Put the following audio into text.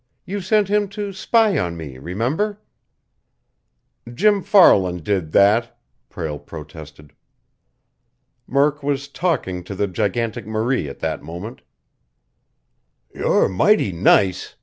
You sent him to spy on me, remember." "Jim Farland did that," Prale protested. Murk was talking to the gigantic Marie at that moment. "You're mighty nice!"